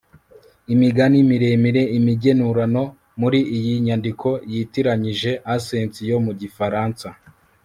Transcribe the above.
imigani miremire, imigenurano. muri iyi nyandiko yitiranyije accent yo mu gifaransa